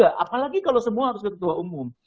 apalagi kalau semua harus ke ketua umum